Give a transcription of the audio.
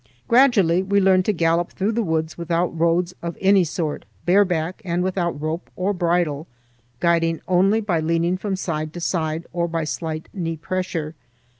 Gradually we learned to gallop through the woods without roads of any sort, bareback and without rope or bridle, guiding only by leaning from side to side or by slight knee pressure.